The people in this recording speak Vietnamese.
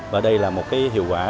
và đây là một hiệu quả